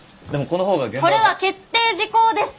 これは決定事項です！